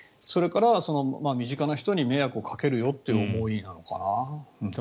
それから身近な人に迷惑をかけますよという思いなのかな。